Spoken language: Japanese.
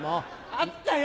あったよ！